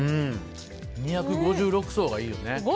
２５６層がいいよね。